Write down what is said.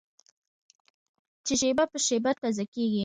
چې شېبه په شېبه تازه کېږي.